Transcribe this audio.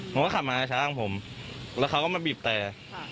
ผมก็ขับมาช้าของผมแล้วเขาก็มาบีบแต่